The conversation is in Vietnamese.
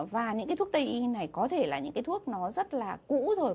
và những cái thuốc tây y như này có thể là những cái thuốc nó rất là cũ rồi